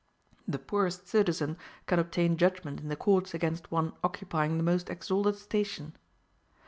The poorest citizen can obtain judgment in the courts against one occupying the most exalted station.